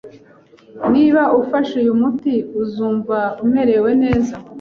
Niba ufashe uyu muti, uzumva umerewe neza.